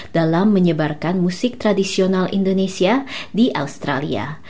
dalam menyebarkan musik tradisional indonesia di australia